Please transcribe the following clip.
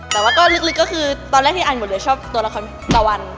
แต่ว่าก็ลึกก็คือตอนแรกที่อ่านหมดเลยชอบตัวละครตะวัน